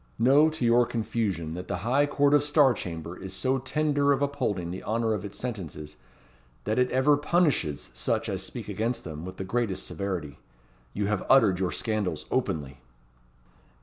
"Know, to your confusion, that the High Court of Star Chamber is so tender of upholding the honour of its sentences, that it ever punishes such as speak against them with the greatest severity. You have uttered your scandals openly."